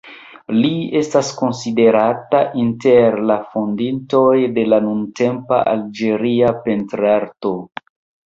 Li estas konsiderata inter la fondintoj de nuntempa Alĝeria pentrarto.